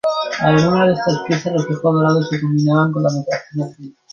Algunas de estas piezas de reflejo dorado se combinaban con la decoración azul.